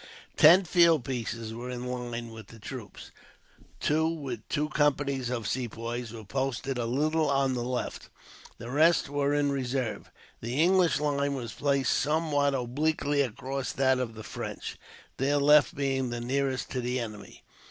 Ten field pieces were in line with the troops; two, with two companies of Sepoys, were posted a little on the left; the rest were in reserve. The English line was placed somewhat obliquely across that of the French, their left being the nearest to the enemy.